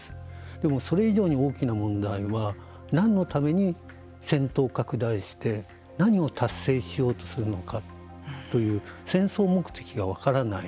でも、それ以上に大きな問題はなんのために戦闘を拡大して何を達成しようとするのかという戦争目的が分からない。